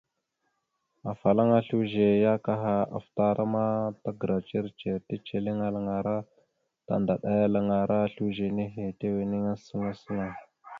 Afalaŋana slʉze ya kaha afətaràma tagəra ndzir ndzir ticeliŋalara tandaɗalalaŋara slʉze nehe tiweniŋire səla səla.